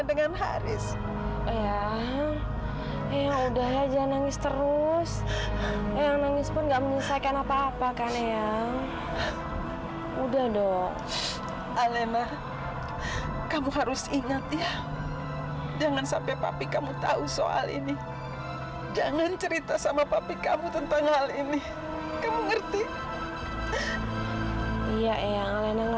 sampai jumpa di video selanjutnya